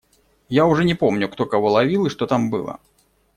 Я уже не помню, кто кого ловил и что там было.